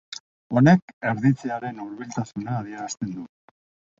Honek erditzearen hurbiltasuna adierazten du.